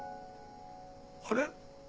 あれ？